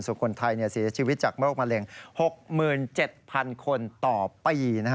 ส่วนคนไทยเสียชีวิตจากโรคมะเร็ง๖๗๐๐คนต่อปี